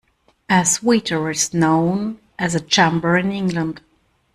A sweater is known as a jumper in England.